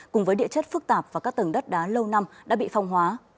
cùng với địa chất phức tạp và các tầng đất đá lâu năm đã bị phong hóa